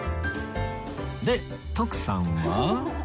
で徳さんは